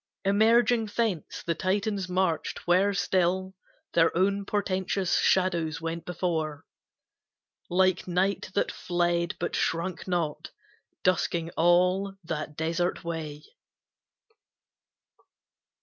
Emerging thence, the Titans marched where still Their own portentous shadows went before Like night that fled but shrunk not, dusking all That desert way.